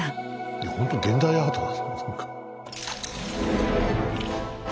いやほんと現代アートだ。